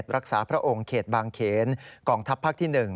รักษาพระองค์เขตบางเขนกองทัพภาคที่๑